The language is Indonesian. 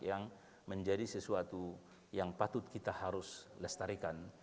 yang menjadi sesuatu yang patut kita harus lestarikan